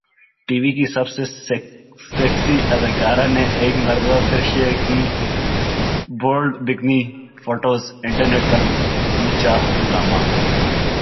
T V کی سب سے سیکسی اداکارہ نے ایک مرتبہ پھر شیئر کی بولڈ بکنی فوٹوز ، انٹرنیٹ پر مچا ہنگامہ